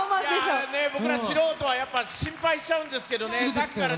もうね、僕ら素人は、やっぱ、心配しちゃうんですけどね、さっきから。